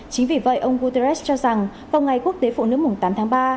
chính vì vậy ông guterres cho rằng vào ngày quốc tế phụ nữ mùng tám tháng ba